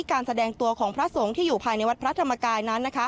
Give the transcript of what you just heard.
การแสดงตัวของพระสงฆ์ที่อยู่ภายในวัดพระธรรมกายนั้น